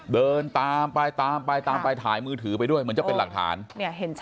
เดินตามไปตามไปตามไปถ่ายมือถือไปด้วยเหมือนจะเป็นหลักฐาน